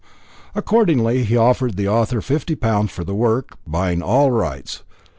Accordingly he offered the author fifty pounds for the work, he buying all rights.